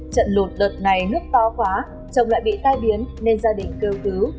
trận lụt đợt này nước to quá chồng lại bị tai biến nên gia đình kêu cứu